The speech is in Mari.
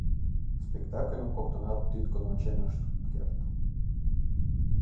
Спектакльым коктынат тӱткын ончен ышт керт.